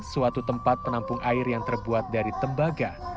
suatu tempat penampung air yang terbuat dari tembaga